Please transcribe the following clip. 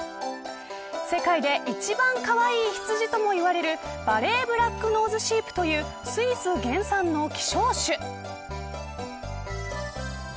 世界で一番かわいい羊ともいわれるヴァレーブラックノーズシープというスイス原産の希少種。